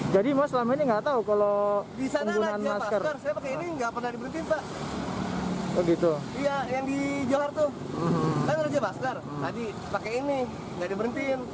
jadi mas selama ini nggak tahu kalau penggunaan masker